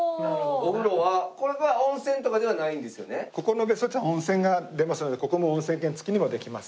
おお！お風呂はこれはここの別荘地は温泉が出ますのでここも温泉源付きにもできます。